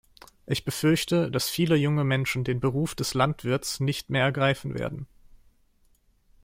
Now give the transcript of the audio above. Ich befürchte, dass viele junge Menschen den Beruf des Landwirts nicht mehr ergreifen werden.